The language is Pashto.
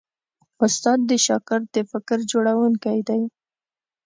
استاد د شاګرد د فکر جوړوونکی دی.